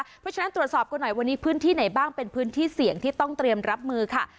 เพราะฉะนั้นตรวจสอบกันหน่อยวันนี้พื้นที่ไหนบ้างเป็นพื้นที่เสี่ยงที่ต้องเตรียมรับมือค่ะ